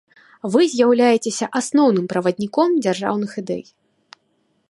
Вы з'яўляецеся асноўным правадніком дзяржаўных ідэй.